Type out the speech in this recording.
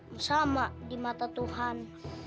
bersama di mata tuhan